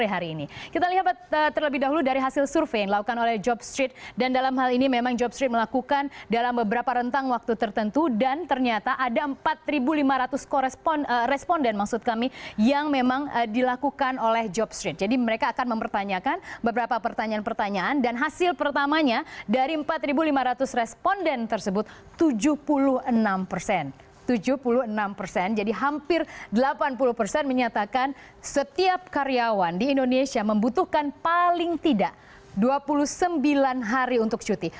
hampir delapan puluh persen menyatakan setiap karyawan di indonesia membutuhkan paling tidak dua puluh sembilan hari untuk cuti